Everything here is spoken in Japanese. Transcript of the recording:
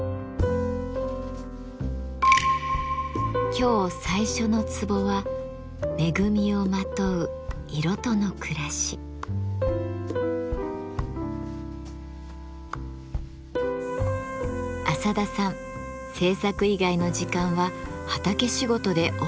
今日最初のツボは浅田さん制作以外の時間は畑仕事で大忙し。